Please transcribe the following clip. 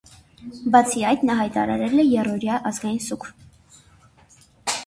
Բացի այդ, նա հայտարարել է եռօրյա ազգային սուգ։